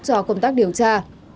cho công tác điều tra